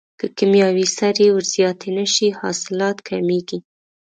که کیمیاوي سرې ور زیاتې نشي حاصلات کمیږي.